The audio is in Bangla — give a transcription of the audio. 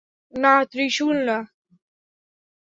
না, ত্রিশূল না।